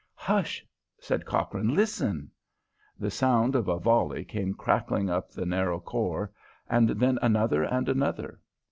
"Hush!" said Cochrane. "Listen!" The sound of a volley came crackling up the narrow khor, and then another and another.